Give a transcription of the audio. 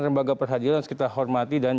lembaga peradilan harus kita hormati dan